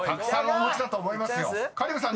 ［香里武さん